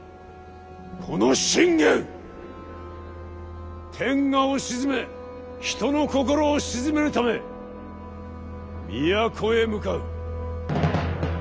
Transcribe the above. この信玄天下を鎮め人の心を鎮めるため都へ向かう。